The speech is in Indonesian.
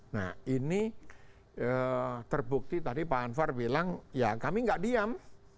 nah ini terbukti tadi pak anwar bilang ya kami nggak diam